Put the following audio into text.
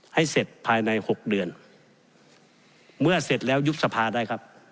ให้เสร็จภายในหกเดือนเมื่อเสร็จแล้วยุบสภาได้ครับ